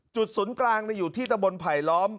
จุดศูนย์กลางได้อยู่ที่ตะบลไผลล้อม